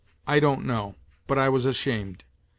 I don't know, but I was ashamed.